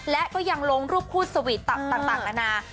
และก็ยังลงรูปคู่สวีทต่างนานา